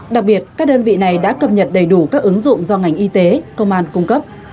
đặc biệt các đơn vị này đã cập nhật đầy đủ các ứng dụng do ngành y tế công an cung cấp